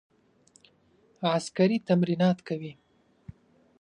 عسکري تمرینات کوي.